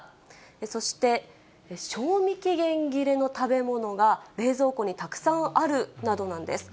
そして賞味期限切れの食べ物が冷蔵庫にたくさんあるなどなんです。